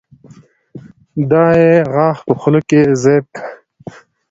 دا يې غاښ په خوله کې زېب کا